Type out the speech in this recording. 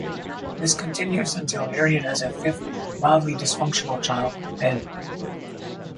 This continues until Harriet has a fifth, wildly dysfunctional child, Ben.